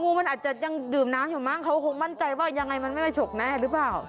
งูมันอาจจะยังดื่มน้ำอยู่มากเขาคงมั่นใจว่าอย่างไรมันไม่โฉกแน่รึเปล่า